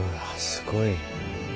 すごい。